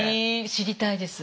知りたいです。